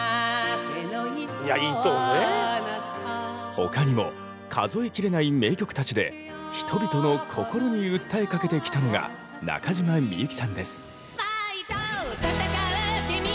他にも数えきれない名曲たちで人々の心に訴えかけてきたのが中島みゆきさんです。